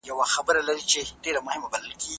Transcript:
په وليمه کي د پسه حلالول د چا سنت دی؟